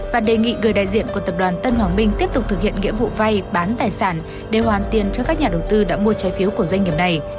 và đề nghị người đại diện của tập đoàn tân hoàng minh tiếp tục thực hiện nghĩa vụ vay bán tài sản để hoàn tiền cho các nhà đầu tư đã mua trái phiếu của doanh nghiệp này